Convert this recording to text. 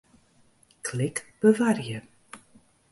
Klik Bewarje.